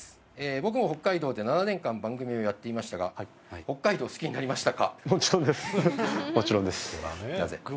僕も北海道で７年間番組をやっていましたがもちろんですもちろんですなぜ？